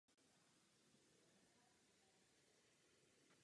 Vlastní Sokolovna je stále využívána.